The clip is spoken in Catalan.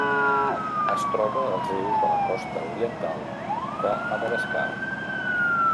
Es troba als rius de la costa oriental de Madagascar.